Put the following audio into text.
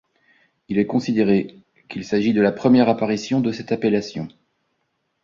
Il est considéré qu'il s'agit de la première apparition de cette appellation.